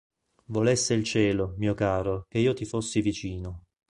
Volesse il cielo, mio caro, che io ti fossi vicino.